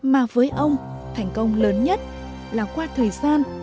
mà với ông thành công lớn nhất là qua thời gian